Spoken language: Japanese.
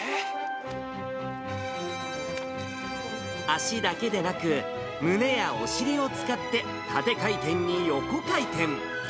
足だけでなく、胸やお尻を使って縦回転に横回転。